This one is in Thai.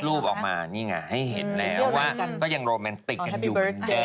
รูปออกมานี่ไงให้เห็นแล้วว่าก็ยังโรแมนติกกันอยู่เหมือนเดิม